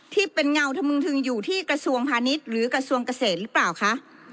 เงาธมึงถึงอยู่ที่กระทรวงพาณิชย์หรือกระทรวงเกษตรหรือเปล่าคะ